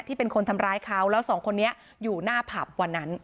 เป็นคนทำร้ายเขาแล้วสองคนนี้อยู่หน้าผับวันนั้น